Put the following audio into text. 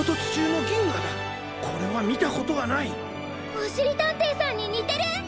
おしりたんていさんににてる！